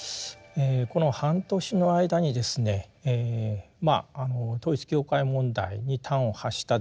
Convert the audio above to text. この半年の間にですね統一教会問題に端を発したですね